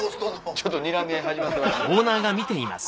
ちょっとにらみ合い始まってます。